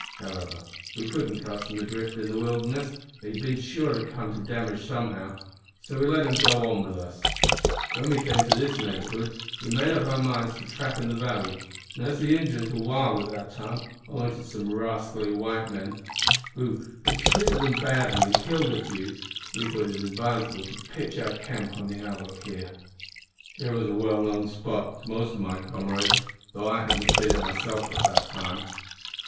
However, we couldn't cast him adrift in the wilderness, for he'd have bin sure to come to damage somehow, so we let him go on with us. When we came to this neighbourhood we made up our minds to trap in the valley, and as the Injins were wild at that time, owin' to some rascally white men who had treated them badly and killed a few, we thought it advisable to pitch our camp on the Outlook here. It was a well known spot to most o' my comrades, tho' I hadn't seen it myself at that time.